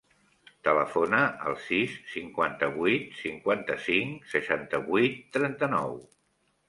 Telefona al sis, cinquanta-vuit, cinquanta-cinc, seixanta-vuit, trenta-nou.